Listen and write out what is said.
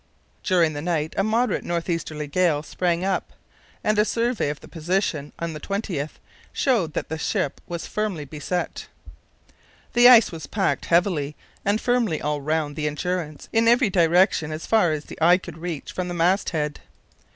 During the night a moderate north easterly gale sprang up, and a survey of the position on the 20th showed that the ship was firmly beset. The ice was packed heavily and firmly all round the Endurance in every direction as far as the eye could reach from the masthead.